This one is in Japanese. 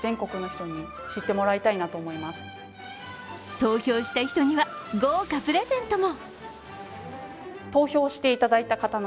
投票した人には豪華プレゼントも。